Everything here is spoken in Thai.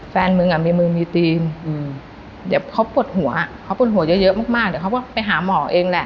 แฟนมึงอ่ะมีมือมีธีมเดี๋ยวเขาปวดหัวเขาปวดหัวเยอะมากเดี๋ยวเขาก็ไปหาหมอเองแหละ